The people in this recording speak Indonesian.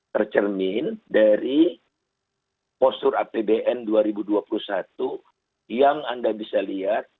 tercermin dari postur apbn dua ribu dua puluh satu yang anda bisa lihat